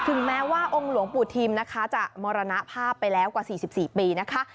ถึงแม้ว่าองค์หลวงปู่ทิมนะคะจะมรณภาพไปแล้วกว่า๔๔ปีนะคะ